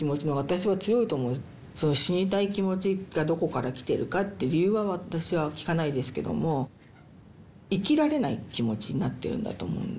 その死にたい気持ちがどこから来てるかって理由は私は聞かないですけども生きられない気持ちになってるんだと思うんですね。